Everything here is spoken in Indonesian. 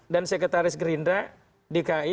dan sekretaris gerindra dki